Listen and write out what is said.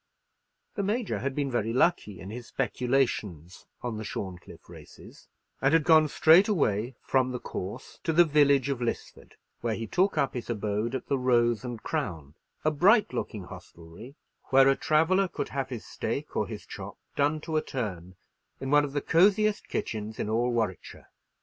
The Major had been very lucky in his speculations on the Shorncliffe races, and had gone straight away from the course to the village of Lisford, where he took up his abode at the Hose and Crown, a bright looking hostelry, where a traveller could have his steak or his chop done to a turn in one of the cosiest kitchens in all Warwickshire.